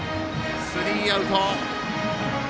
スリーアウト。